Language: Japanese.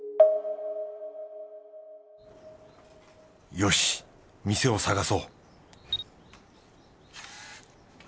よし店を探そう